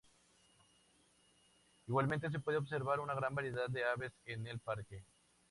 Igualmente se puede observar una gran variedad de aves en el parque.